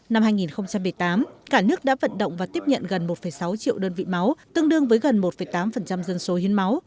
năm hai nghìn một mươi tám cả nước đã vận động và tiếp nhận gần một sáu triệu đơn vị máu tương đương với gần một tám dân số hiến máu